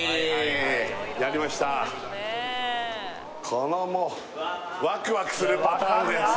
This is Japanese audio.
このもうワクワクするパターンです